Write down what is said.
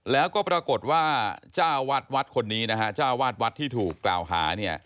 แล้วก็ปรากฏว่าเจ้าวัดวัดคนนี้นะฮะเจ้าวาดวัดที่ถูกกล่าวหาเนี่ย